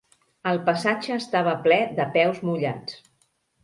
El passatge estava ple de peus mullats.